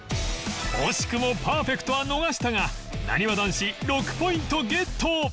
惜しくもパーフェクトは逃したがなにわ男子６ポイントゲット